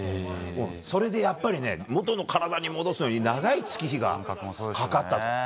それで、やっぱり元の体に戻すのに長い月日がかかったと。